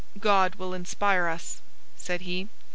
"God will inspire us," said he.